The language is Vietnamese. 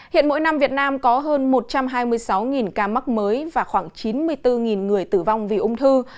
hiện mỗi năm việt nam có hơn một trăm hai mươi sáu ca mắc mới và khoảng chín mươi bốn người tử vong vì ung thư